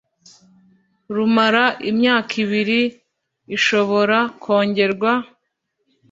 rumara imyaka ibiri ishobora kongerwa;